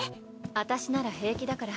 私なら平気だから。